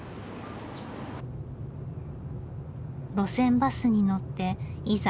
路線バスに乗っていざ